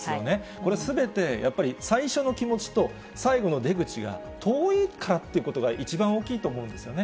これ、すべて、やっぱり最初の気持ちと最後の出口が遠いからということが一番大きいと思うんですよね。